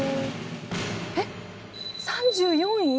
えっ３４位？